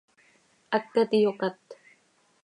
Hacat iyocát.